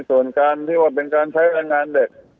ส่วนการที่ว่าเป็นการใช้แรงงานเด็ก